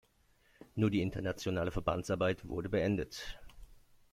Nur die internationale Verbandsarbeit wurde beendet.